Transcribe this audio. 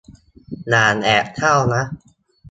อย่าแอบเศร้านะ